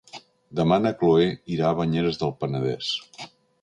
Demà na Cloè irà a Banyeres del Penedès.